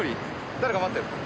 誰か待ってんの？